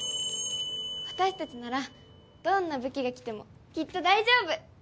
私たちならどんな武器がきてもきっと大丈夫！